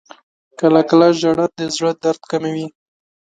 • کله کله ژړا د زړه درد کموي.